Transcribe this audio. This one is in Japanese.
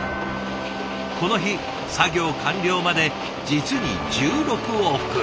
この日作業完了まで実に１６往復。